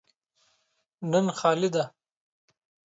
نن خالي ده.